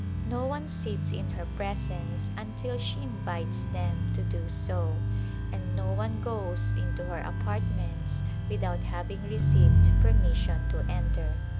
No one sits in her presence until she invites them to do so, and no one goes into her apartments without having received permission to enter.